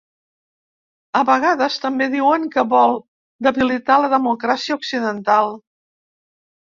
A vegades també diuen que vol debilitar la democràcia occidental.